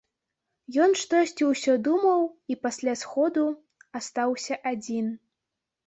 Ён штосьці ўсё думаў і пасля сходу астаўся адзін.